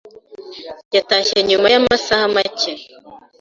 yatashye nyuma yamasaha make.